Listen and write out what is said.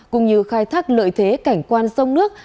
cũng như khai thác lợi thế cảnh quan sông nước